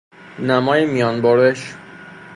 نمای میان برش